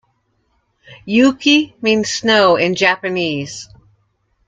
'Yuki' means 'Snow' in Japanese.